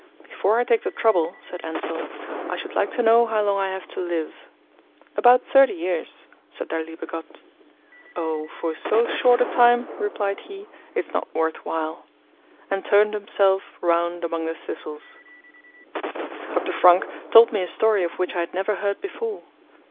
"Before I take the trouble," said Anselm, "I should like to know how long I have to live." "About thirty years," said Der liebe Gott. "Oh, for so short a time," replied he, "it's not worth while," and turned himself round among the thistles.' Dr. Franck told me a story of which I had never heard before.